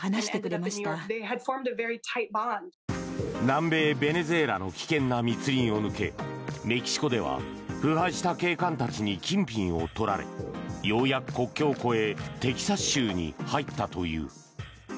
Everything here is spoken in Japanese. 南米ベネズエラの危険な密林を抜けメキシコでは腐敗した警官たちに金品を取られようやく国境を越えテキサス州に入ったという。